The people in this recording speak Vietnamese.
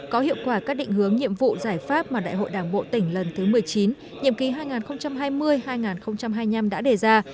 có hiệu quả các định hướng nhiệm vụ giải pháp mà đại hội đảng bộ tỉnh lần thứ một mươi chín nhiệm ký hai nghìn hai mươi hai nghìn hai mươi năm đã đề ra